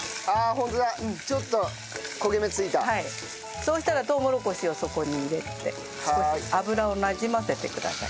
そうしたらとうもろこしをそこに入れて少し油をなじませてください。